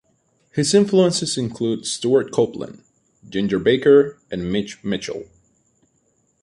His influences include Stewart Copeland, Ginger Baker and Mitch Mitchell.